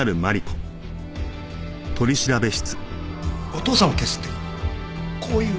お父さんを消すってこういう？